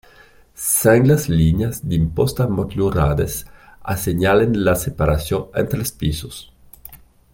Sengles línies d'imposta motllurades assenyalen la separació entre els pisos.